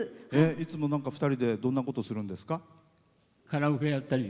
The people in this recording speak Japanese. いつも２人でどんなことするんですか？